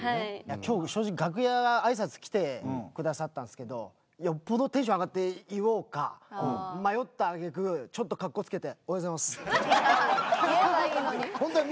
今日楽屋挨拶来てくださったんですけどよっぽどテンション上がって言おうか迷った揚げ句ちょっとカッコつけて「おはようございます」言えばいいのに。